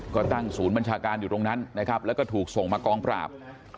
ก็ตั้งศูนย์บัญชาการอยู่ตรงนั้นนะครับแล้วก็ถูกส่งมากองปราบ